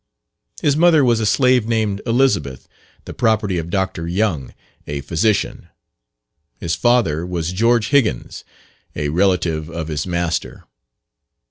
His mother was a slave named Elizabeth, the property of Dr. Young, a physician. His father was George Higgins, a relative of his master.